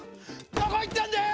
どこ行ったんだよ！